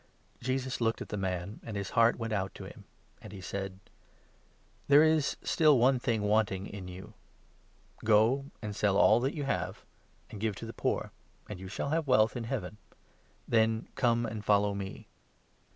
Jesus looked at the man, and his heart went out to him, and he 21 said : "There is still one thing wanting in you ; go and sell all that you have, and give to the poor, and you shall have wealth in Heaven ; then come and follow me."